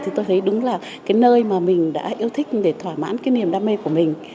thì tôi thấy đúng là cái nơi mà mình đã yêu thích để thỏa mãn cái niềm đam mê của mình